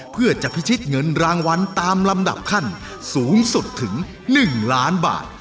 เพื่อจะพิชิตเงินรางวัลตามลำดับขั้นสูงสุดถึง๑ล้านบาท